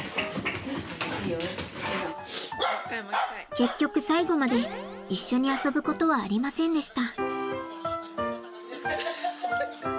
結局最後まで一緒に遊ぶことはありませんでした。